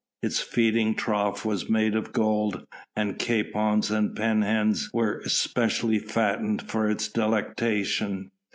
Its feeding trough was made of gold, and capons and pea hens were specially fattened for its delectation.